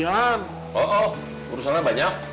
satu perang banyak